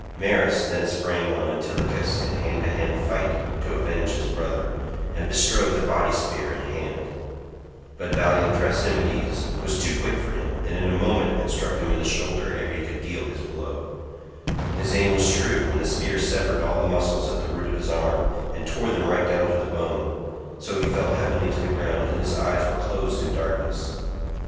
Maris then sprang on Antilochus in hand to hand fight to avenge his brother, and bestrode the body spear in hand; but valiant Thrasymedes was too quick for him, and in a moment had struck him in the shoulder ere he could deal his blow; his aim was true, and the spear severed all the muscles at the root of his arm, and tore them right down to the bone, so he fell heavily to the ground and his eyes were closed in darkness.